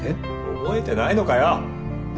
覚えてないのかよ！